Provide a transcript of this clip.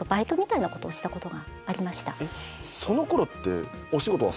そのころって。